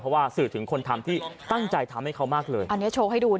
เพราะว่าสื่อถึงคนทำที่ตั้งใจทำให้เขามากเลยอันนี้โชว์ให้ดูนะ